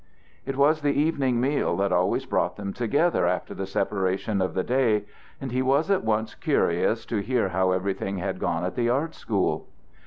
It was the evening meal that always brought them together after the separation of the day, and he was at once curious to hear how everything had gone at the art school.